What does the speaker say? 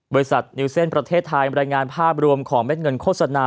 นิวเซ่นประเทศไทยบรรยายงานภาพรวมของเม็ดเงินโฆษณา